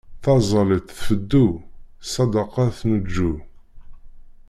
Taẓallit tfeddu, ssadaqa tneǧǧu.